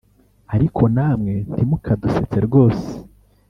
Ariko namwe ntimukadusetse rwose